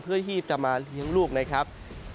เพื่อที่จะมาเลี้ยงลูกนะครับ